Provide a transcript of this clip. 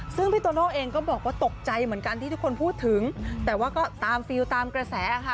ซึ่งพี่โตโน่เองก็บอกว่าตกใจเหมือนกันที่ทุกคนพูดถึงแต่ว่าก็ตามฟิลตามกระแสค่ะ